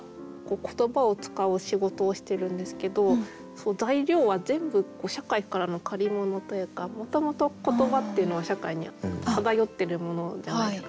言葉を使う仕事をしてるんですけど材料は全部社会からの借り物というかもともと言葉っていうのは社会に漂っているものじゃないですか。